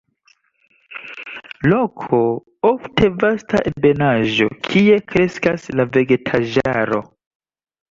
Loko, ofte vasta ebenaĵo, kie kreskas la vegetaĵaro.